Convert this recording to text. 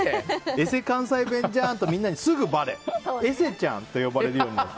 えせ関西弁じゃんとみんなにすぐばれえせちゃんと呼ばれるように。